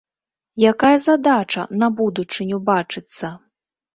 Якая задача на будучыню бачыцца?